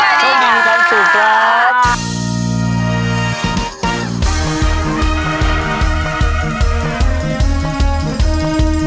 โปรดติดตามตอนต่อไป